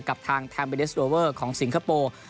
กับทางแฮมเบเดสโวเวอร์ของสิงคโปร์